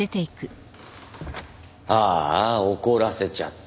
あーあ怒らせちゃった。